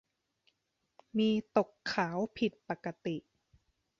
มีตกขาวผิดปกติ